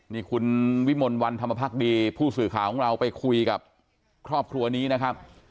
นี่คุณวิมลวันธรรมพักดีผู้สื่อข่าวของเราไปคุยกับครอบครัวนี้นะครับ